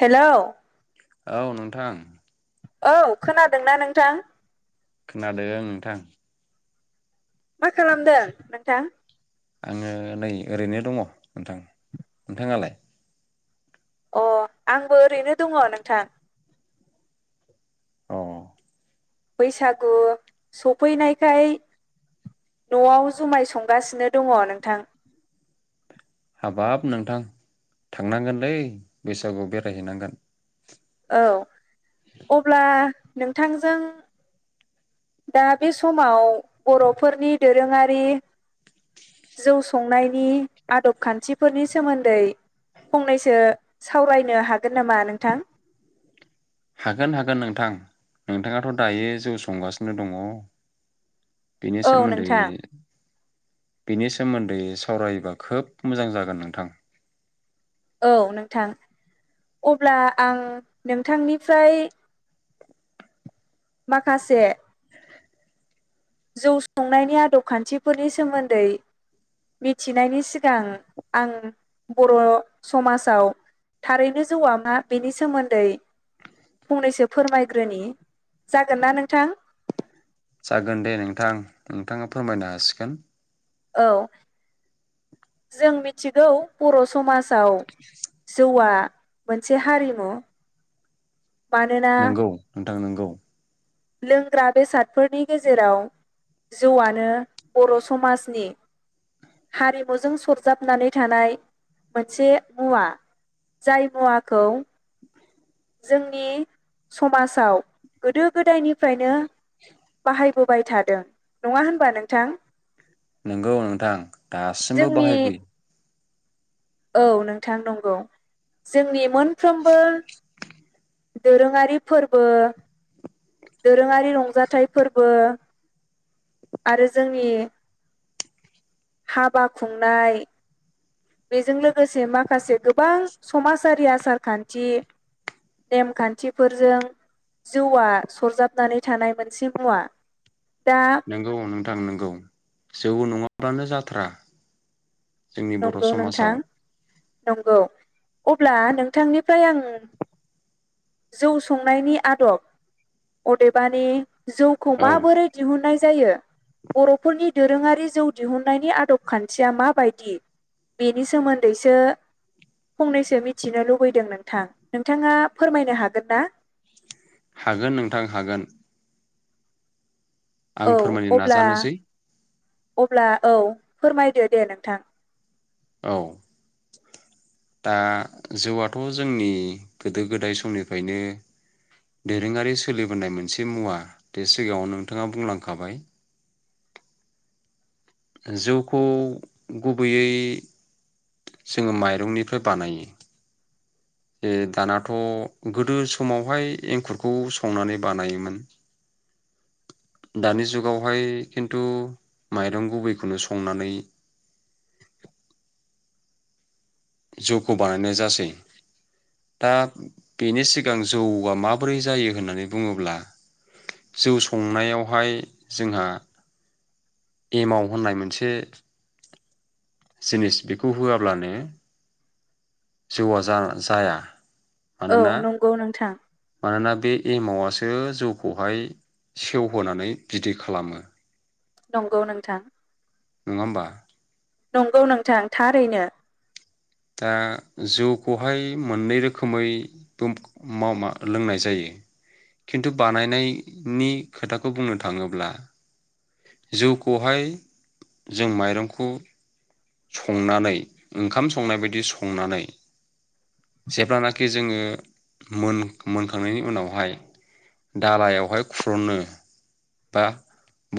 Hello औ नोंथां औ खोनादोंना नोंथां खोनादों नोंथां मा खालामदों नोंथां आङो नै ओरैनो दङ नोंथां नोंथाङालाय? अ आंबो ओरैनो दङ नोंथां अ बैसागु सफैनायखाय नआव जुमाय संगासिनो दङ नोंथां हाबाब नोंथां थांनांगोनलै बैसागुआव बेरायहैनांगोन औ अब्ला नोंथांजों दा बे समाव बरफोरनि दोरोङारि जौ संनायनि आदब खान्थिफोरनि सोमोन्दै फंनैसो सावरायनो हागोन नामा नोंथां? हागोन हागोन नोंथां नोंथाङाथ दायो जौ संगासिनो दङ बिनि औ सोमोनदै नोंथां बिनि सोमोन्दै सावरायोबा खोब मोजां जागोन नोंथां। औ नोंथां अब्ला आं नोंथांनिफ्राय माखासे जौ सं नायनि आदब खान्थिफोरनि सोमोन्दै मिथिनायनि सिगां आं बर समाजाव थारैनो जौआ मा बेनि सोमोन्दै फंनैसो फोरमायग्रोनि जागोन ना नोंथां? जागोन दे नोंथां नोंथाङा फोरमायनो हासिगोन। औ जों मिथिगौ बर समाजाव जौआ मोनसे हारिमु मानोना ओं नोंगौ लोंग्रा बेसादफोरनि गेजेराव जौआनो बर समाजनि हारिमुजों सरजाबनानै थानाय मोनसे मुवा जाय मुवाखौ जोंनि समाजआव गोदो गोदायनिफ्रायनो बाहायबोबाय थादों नङा होनबा नोंथां। नोंगौ नोंथां दासिमबो जोंनि बाहायफै औ नोंथां नंगौ जोंनि मोनफ्रोमबो दोरोङारि फोरबो दोरोङारि रंजाथाइ फोरबो आरो जोंनि हाबा खुंनाय बेजों लोगोसे माखासे गोबां समाजारि आसार खान्थि नेमखान्थिफोरजों जौआ सरजाबनानै थानाय मोनसे मुवा दा नोंगौ नोंथां नोंगौ जौ नङा बानो जाथारा। जोंनि बर' नंगौ समाजआव। नोंथां नंगौ अब्ला नोंथांनिफ्राय आं जौ संनायनि आदब अदेबानि जौखौ औ माबोरै दिहुननाय जायो बर'फोरनि दोरोङारि जौ दिहुननायनि आदब खान्थिया माबायदि? बेनि सोमोन्दैसो फंनैसो मिथिनो लुबैदों नोंथां नोंथाङा फोरमायनो हागोनना? हागोन नोंथां हागोन। औ आं फोरमायनो अब्ला नाजानोसै। अब्ला औ फोरमायदो दे नोंथां। औ दा जौआथ' जोंनि गोदो गोदाय समनिफ्रायनो दोरोङारि सोलिबोनाय मोनसे मुवा बे सिगाङाव नोंथाङा बुंलांखाबाय। जौखौ गुबैयै जोङो माइरंनिफ्राय बानायो। दानाथ' गोदो समावहाय एंखुरखौ संनानै बानायोमोन दानि जुगावहाय खिन्थु माइरं गुबैखौनो संनानै जौखौ बानायनाय जासै दा बेनि सिगां जौआ माबोरै जायो होननानै बुङोब्ला जौ संनायावहाय जोंहा एमाव होननाय मोनसे जिनिस बेखौ होआब्लानो जौआ जा-जाया। औ मानोना नंगौ नोंथां। मानोना बे एमावआसो जौखौहाय सेवहोनानै बिदै खालामो। नंगौ नोंथां। नङा होमबा? नंगौ नोंथां थारैनो। दा जौखौहाय मोननै रोखोमै बो मा मा लोंनाय जायो खिन्थु बानायनायनि खोथाखौ बुंनो थाङोब्ला जौखौहाय जों माइरंखौ संनानै ओंखाम संनाय बायदि संनानै जेब्लानाखि जोङो मोन मोनखांनायनि उनावहाय दालायावहाय खुर'नो बा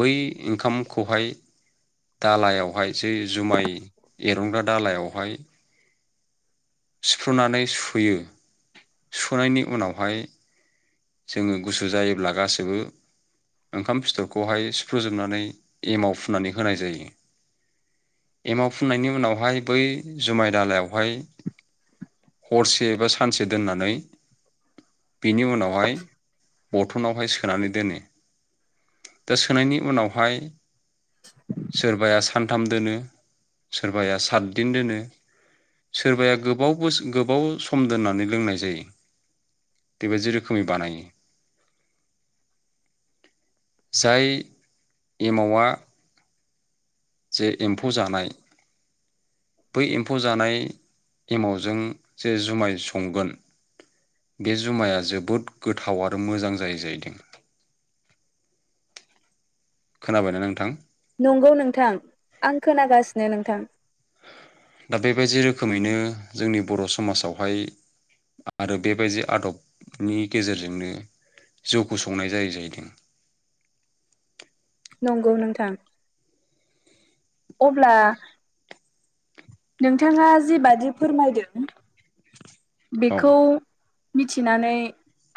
बै ओंखामखौहाय दालायावहाय जै जुमाय एर'नग्रा दालायावहाय सिफ्रुनानै सुहोयो। सुनायनि उनावहाय जोङो गुसु जायोब्ला गासैबो ओंखाम फिथरखौहाय सुफ्रुजोबनानै एमाव फुननानै होनाय जायो एमाव फुननायनि उनावहाय बै जुमाय दालायावहाय हरसे बा सानसे दोननानै बेनि उनावहाय बथनावहाय सोनानै दोनो दा सोनायनि उनावहाय सोरबाया सा सानथाम दोनो सोरबाया सातदिन दोनो सोरबाया गोबावबो गोबाव सम दोननानै लोंनाय जायो बेबादि रोखोमै बानायो। जाय एमावआ जे एम्फौ जानाय बै एम्फौ जानाय एमावजों जे जुमाय संगोन बे जुमाया जोबोद गोथाव आरो मोजां जायो जाहैदों। खोनाबायना नोंथां। नंगौ नोंथां आं खोनागासिनो नोंथां। दा बेबायदि रोखोमैनो जोंनि बर' समाजावहाय आरो बेबायदि आदबनि गेजेरजोंनो जौखौ संनाय जायो जाहैदों। नंगौ नोंथां अब्ला नोंथाङा जिबादि फोरमायदों औ बेखौ मिथिनानै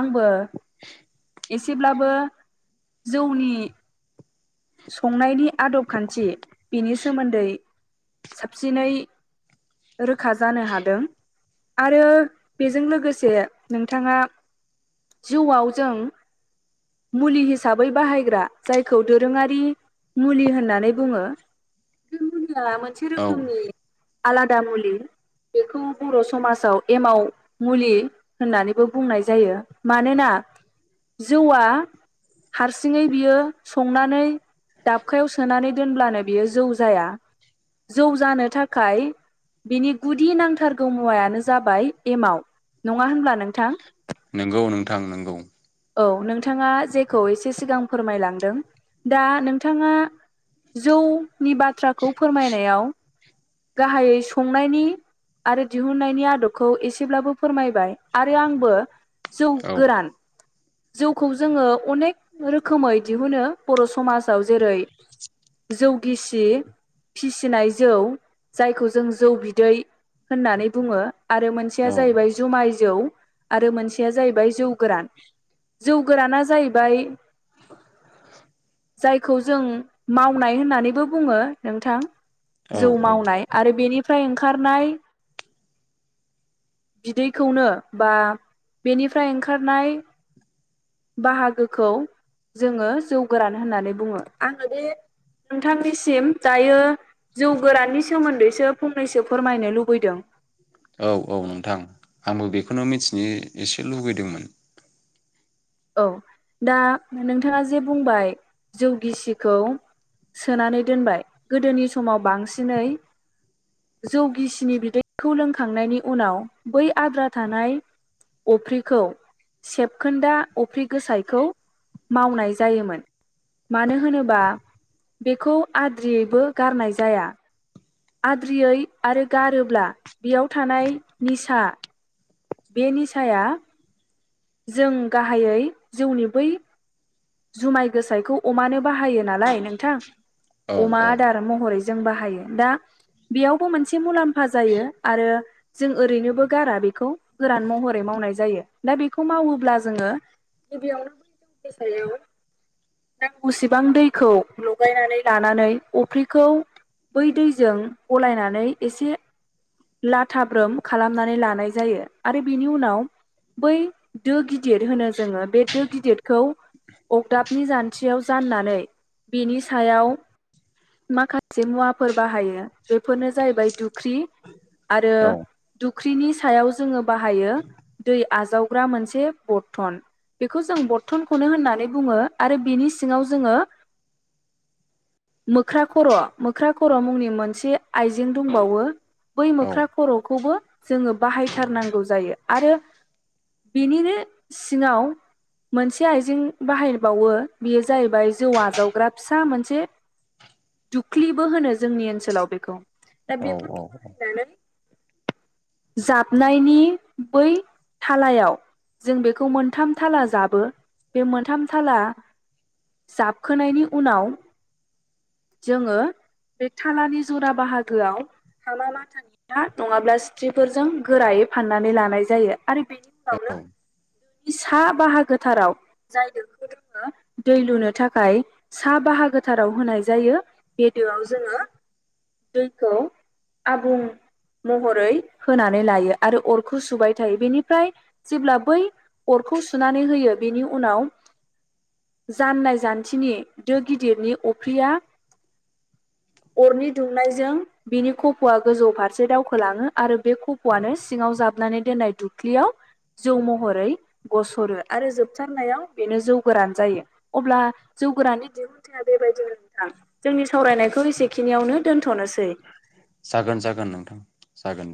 आंबो एसेब्लाबो जौनि संनायनि आदब खान्थि बिनि सोमोन्दै साबसिनै रोखा जानो हादों आरो बेजों लोगोसे नोंथाङा जिउआव जों मुलि हिसाबै बाहायग्रा जायखौ दो रोङारि मुलि होननानै बुङो। [unintelligible] मोनसे औ रोखोमनि आलादा मुलि बेखौ बर' समाजाव एमाव मुलि होननानैबो बुंनाय जायो मानोना जौआ हारसिङै बियो संनानै दाबखायाव सोनानै दोनब्लानो बियो जौ जाया जौ जानो थाखाय बिनि गुदि नांथारगौ मुवायानो जाबाय एमाव नङा होनब्ला नोंथां। नंगौ नोंथां नंगौ औ नोंथाङा जेखौ एसे सिगां फोरमायलांदों दा नोंथाङा जौ नि बाथ्राखौ फोरमायनायाव गाहायै संनायनि आरो दिहुननायनि आदबखौ एसेब्लाबो फोरमायबाय आरो आंबो जौ औ गोरान जौखौ जोङो अनेक रोखोमै दिहुनो बर' समाजाव जेरै जौ गिसि फिसिनाय जौ जायखौ जों जौ बिदै होननानै बुङो। आरो मोनसेया औ जाहैबाय जुमाय जौ आरो मोनसेया जाहैबाय जौ गोरान। जौ गोराना जाहैबाय जायखौ जों मावनाय होननानैबो बुङो नोंथां औ जौ औ मावनाय आरो बेनि फ्राय ओंखारनाय बिदैखौनो बा बेनिफ्राय ओंखारनाय बाहागोखौ जोङो जौ गोरान होननानै बुङो आङो बे नोंथांनिसिम दायो जौ गोराननि सोमोन्दैसो फंनैसो फोरमायनो लुबैदों। औ औ नोंथां आंबो बेखौनो मिथिनो एसे लुबैदोंमोन। औ दा नोंथाङा जे बुंबाय जौ गिसिखौ सोनानै दोनबाय गोदोनि समाव बांसिनै जौगिसिनि बिदैखौ लोंखांनायनि उनाव बै आद्रा थानाय अफ्रिखौ सेबखोन्दा अफ्रि गोसायखौ मावनाय जायोमोन मानो होनोबा बेखौ आद्रियैबो गारनाय जाया। आद्रियै आरो गारोब्ला बेयाव थानाय निसा बे निसाया जों गाहायै जौनि बै जुमाय गोसायखौ अमानो बाहायो नालाय नोंथां औ अमा औ आदार महरै जों बाहायो दा बेयावबो मोनसे मुलामफा फा जायो आरो जों ओरैनोबो गारा बेखौ गोरान महरै मावनाय जायो दा बेखौ मावोब्ला जोङो गिबियावनो बै जौनिसायाव नांगौसेबां दैखौ लगायनानै लानानै अफ्रिखौ बै दैजों गलायनानै एसे लाथाब्रोम खालामनानै लानाय जायो आरो बेनि उनाव बै दो गिदिर होनो जोङो बे दो गिदिरखौ अगदाबनि जान्थियाव जाननानै बेनि सायाव माखासे मुवाफोर बाहायो बेफोरनो जाहैबाय दुख्रि आरो औ दुख्रिनि सायाव जोङो बाहायो दै आजावग्रा मोनसे बर्थन बेखौ जों बर्थनखौनो होननानै बुङो आरो बिनि सिङाव जोङो मोख्रा खर' मोख्रा खर' मुंनि मोनसे आइजें दंबावो बै औ मोख्रा खर खौबो जोङो बाहायथारनांगौ जायो आरो बिनिनो सिङाव मोनसे आइजें बाहायबावो बेयो जाहैबाय जौ आजावग्रा फिसा मोनसे दुख्लिबो होनो जोंनि ओनसोलाव बेखौ। दा औ औ बेफोरखौ बाहायनानै जाबनायनि बै थालायाव जों बेखौ मोनथाम थाला जाबो। बे मोनथाम थाला जाबखोनायनि उनाव जोङो बे थालानि जरा बाहागोआव हा माथि ना नङाब्ला सिथ्रिफोरजों गोरायै फाननानै लानाय जायो आरो बेनि उनावनो औ नोनि सा बाहागोथाराव जाय दोखौ जोङो दै लुनो थाखाय सा बाहागोथाराव होनाय जायो बे दोआव जोङो दैखौ आबुं महरै होनानै लायो आरो अरखौ सुबाय थायो बेनिफ्राय जेब्ला बै अरखौ सुनानै होयो बेनि। उनाव जाननाय जान्थिनि दो गिदिर गिदिरनि अफ्रिया। अरनि दुंनायजों बिनि खफआ गोजौ फारसे दावखोलाङो आरो बे खफआनो सिङाव जाबनानै दोननाय दुख्लियाव जौ महरै गसरो आरो जोब जोबथारनायाव बेनो जौ गोरान जायो अब्ला जौ गोराननि दिहुनथाय बेबायदिनो नोंथां जोंनि सावरायनायखौ एसेखिनियावनो दोनथ नोसै। जागोन जागोन नोंथां। जागोन।